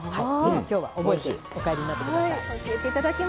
今日は、ぜひ覚えてお帰りになってください。